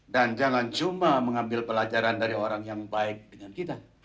dan jangan cuma mengambil pelajaran dari orang yang baik dengan kita